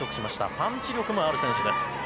パンチ力もある選手です。